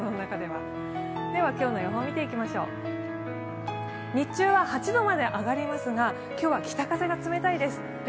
では今日の予報、見ていきましょう日中は８度まで上がりますが今日は北風が冷たいです。